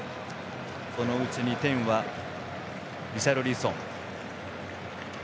そのうち２点はリシャルリソン。